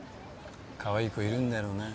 かわいい子いるんだろうな。